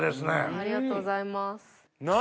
ありがとうございます。